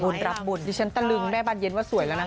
หนูสามารถดีชั้นตลึงแม่บ้านเย็นว่าสวยแล้วนะ